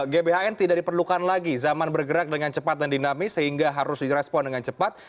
gbhn tidak diperlukan lagi zaman bergerak dengan cepat dan dinamis sehingga harus direspon dengan cepat